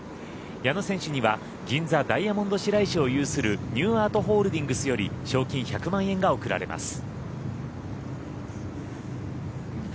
矢野選手には銀座ダイヤモンドシライシを有するＮＥＷＡＲＴＨＯＬＤＩＮＧＳより賞金１００万円が贈られます。